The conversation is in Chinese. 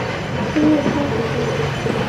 青木川古镇